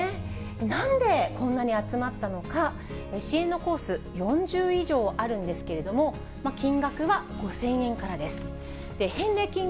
なんでこんなに集まったのか、支援のコース、４０以上あるんですけれども、金額は５０００円からです。